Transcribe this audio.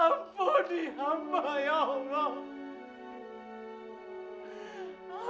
ampuni amat ya allah